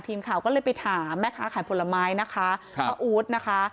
ทีมข่าวก็เลยไปถามแม่ค้าขายผลไม้นะคะพระอู๊ดนะคะ